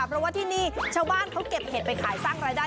เพราะว่าที่นี่ชาวบ้านเขาเก็บเห็ดไปขายสร้างรายได้